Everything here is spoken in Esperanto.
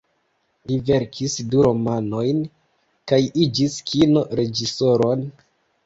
Li verkis du romanojn, kaj iĝis kino-reĝisoron.